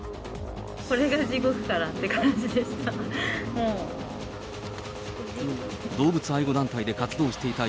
これが地獄かなって感じでした。